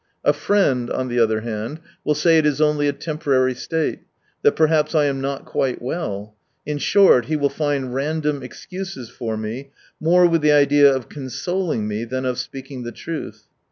A friend, on the other hand, will say it is only a temporary state, that perhaps I am not quite well — in short, he will find random excuses for me, more with the idea of consoling me than of speaking the truth.